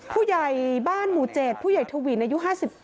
ผู้ใหญ่บ้านหมู่๗ผู้ใหญ่ทวินอายุ๕๘